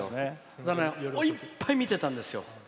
だから、いっぱい見てたんです。